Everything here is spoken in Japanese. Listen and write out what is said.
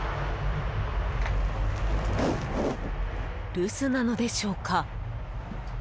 留守なのでしょうか。